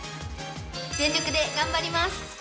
全力で頑張ります。